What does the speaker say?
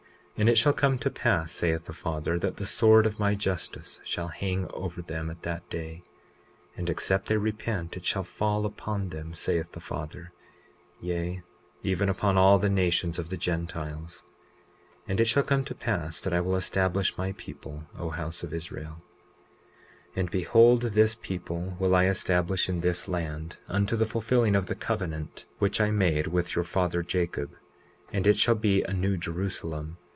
20:20 And it shall come to pass, saith the Father, that the sword of my justice shall hang over them at that day; and except they repent it shall fall upon them, saith the Father, yea, even upon all the nations of the Gentiles. 20:21 And it shall come to pass that I will establish my people, O house of Israel. 20:22 And behold, this people will I establish in this land, unto the fulfilling of the covenant which I made with your father Jacob; and it shall be a New Jerusalem.